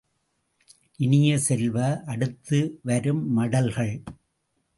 இனிய செல்வ, அடுத்து வரும் மடல்கள்!